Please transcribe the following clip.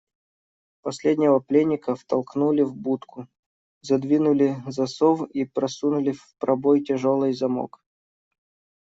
Последнего пленника втолкнули в будку, задвинули засов и просунули в пробой тяжелый замок.